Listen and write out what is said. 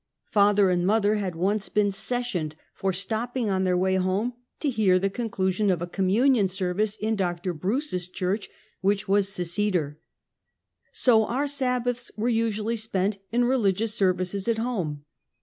Father and mother had once been " sessioned " for stopping on their way home to hear the^ conclusion of a communion service in Dr. Bruce's church, which was Seceder. So our Sabbaths were usually spent in religious services at home.